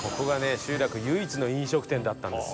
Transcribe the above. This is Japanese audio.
集落唯一の飲食店だったんですよ」